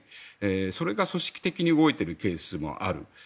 それが組織的に動いているケースもある。